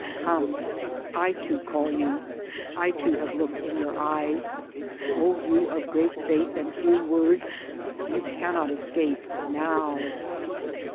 Come ! I too call you. I too have looked in your eyes, O you of great faith and few words ; you cannot escape, now.